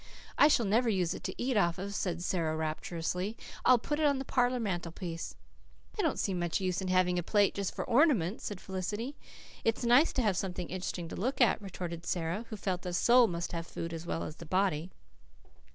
"I shall never use it to eat off," said Sara rapturously. "I'll put it up on the parlour mantelpiece." "I don't see much use in having a plate just for ornament," said Felicity. "It's nice to have something interesting to look at," retorted Sara, who felt that the soul must have food as well as the body.